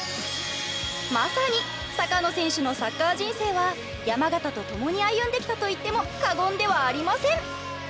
まさに阪野選手のサッカー人生は山形と共に歩んできたと言っても過言ではありません。